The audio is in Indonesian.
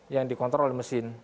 yang dikontrol oleh mesin